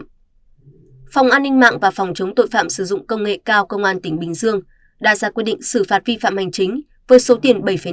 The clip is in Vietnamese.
phòng an ninh mạng và phòng chống tội phạm sử dụng công nghệ cao công an tỉnh bình dương đã ra quyết định xử phạt vi phạm hành trình